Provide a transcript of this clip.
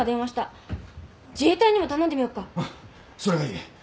それがいい。